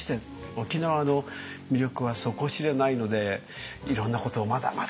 沖縄の魅力は底知れないのでいろんなことをまだまだ知りたい。